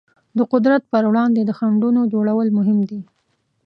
د قدرت پر وړاندې د خنډونو جوړول مهم دي.